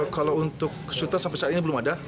kalau untuk kesulitan sampai saat ini belum ada